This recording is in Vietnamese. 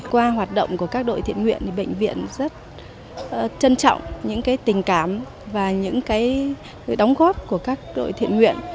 qua hoạt động của các đội thiện nguyện bệnh viện rất trân trọng những tình cảm và những đóng góp của các đội thiện nguyện